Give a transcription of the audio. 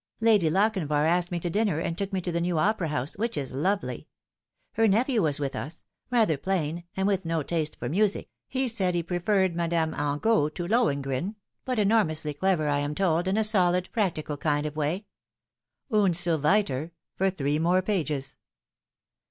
Lady Lochinvar asked me to dinner, and took me to the new Opera house, which is lovely. Her nephew was with us rather plain, and with no taste for music (he said he preferred Madame Angot to Lohengrin), but enormously clever, I am told, in a solid, practical kind of way." Und so welter, for three more pages.